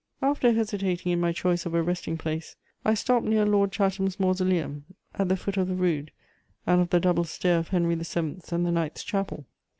After hesitating in my choice of a resting place I stopped near Lord Chatham's mausoleum, at the foot of the rood and of the double stair of Henry the Seventh's and the Knights' Chapel.